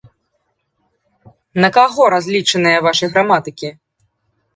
На каго разлічаныя вашы граматыкі?